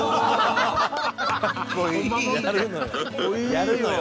「やるのよ。